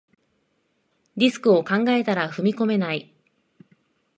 リスクを考えたら踏み込めない